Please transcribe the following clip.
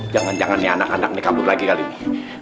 jangan jangan nih anak anak ini kabur lagi kali ini